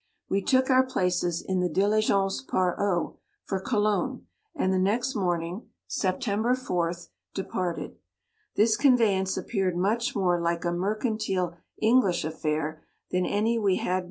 We took our place in the diligence par eau for Cologne, and the next morning (September 4th) departed. This conveyance appeared much more like a mercantile English affair than any we had.